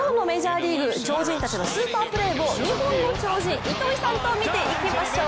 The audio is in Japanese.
ここからは今日のメジャーリーグ超人たちのスーパープレーを日本の超人・糸井さんと見ていきましょう。